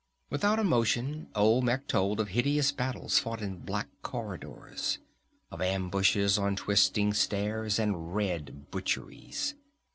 Without emotion Olmec told of hideous battles fought in black corridors, of ambushes on twisting stairs, and red butcheries.